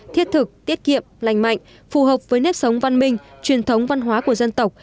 thiết thực tiết kiệm lành mạnh phù hợp với nếp sống văn minh truyền thống văn hóa của dân tộc